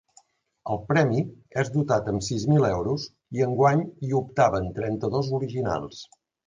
El premi és dotat amb sis mil euros i enguany hi optaven trenta-dos originals.